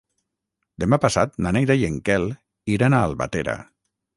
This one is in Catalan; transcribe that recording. Demà passat na Neida i en Quel iran a Albatera.